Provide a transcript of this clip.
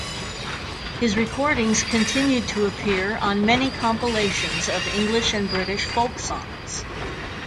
His recordings continued to appear on many compilations of English and British folk songs.